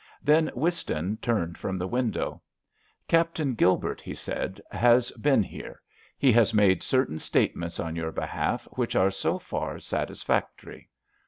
Then Whiston turned from the window. "Captain Gilbert," he said, "has been here. He has made certain statements on your behalf which are so far satisfactory."